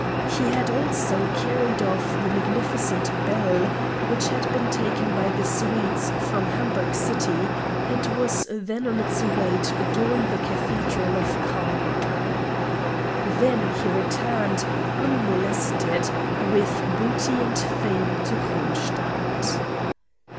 He had also carried off the magnificent bell which had been taken by the Swedes from Hamburg city, and was then on its way to adorn the cathedral of Kalmar. Then he returned, unmolested, with booty and fame to Kronstadt.